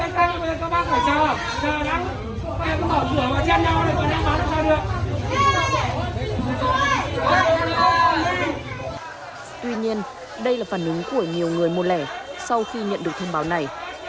tuy nhiên đây là phản ứng của nhiều người mua lẻ sau khi nhận được thông báo này